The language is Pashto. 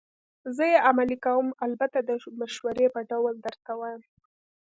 زه یې عملي کوم، البته د مشورې په ډول درته وایم.